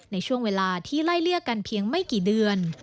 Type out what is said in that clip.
ในช่วงเวลาที่ไล่เลี่ยกันเพียงไม่กี่เดือน